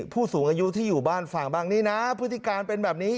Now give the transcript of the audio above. ผู้สูงอายุที่อยู่บ้านฝั่งบ้างนี่นะพฤติการเป็นแบบนี้